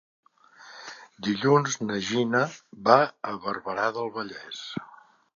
Dilluns na Gina va a Barberà del Vallès.